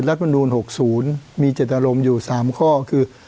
รัฐบันดุลหกศูนย์มีเจตรมอยู่สามข้อคือ